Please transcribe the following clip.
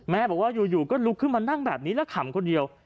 บอกว่าอยู่ก็ลุกขึ้นมานั่งแบบนี้แล้วขำคนเดียว